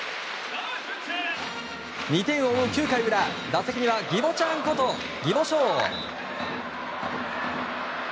２点を追う９回裏打席には、ギボちゃんこと宜保翔。